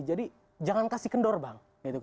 jadi jangan kasih kendor bang